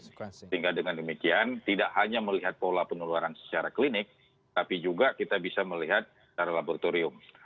sehingga dengan demikian tidak hanya melihat pola penularan secara klinik tapi juga kita bisa melihat secara laboratorium